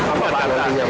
apa anggarannya pak